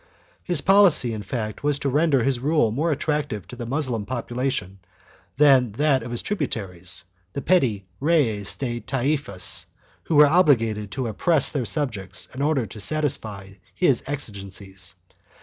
His policy, in fact, was to render his rule more attractive to the Moslem population than that of his tributaries, the petty reyes de taifas, who were obliged to oppress their subjects in order to satisfy his exigencies.